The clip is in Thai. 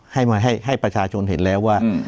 ให้ประชาชนเห็นแล้วว่า